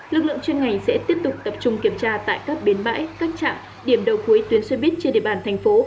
lực lượng chuyên ngành sẽ tiếp tục tập trung kiểm tra tại các bến bãi các trạm điểm đầu cuối tuyến xe buýt trên địa bàn thành phố